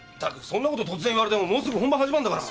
そんなこと突然言われてももうすぐ本番始まるんだから！